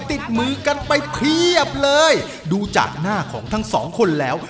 ติดมือกันไปเพียบเลยดูจากหน้าของทั้งสองคนแล้ว